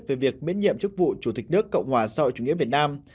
về việc biến nhiệm chức vụ chủ tịch đức cộng hòa soi chủ nghĩa việt nam